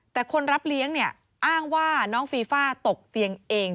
แต่คนรับเลี้ยงเนี่ยอ้างว่าน้องฟีฟ่าตกเตียงเอง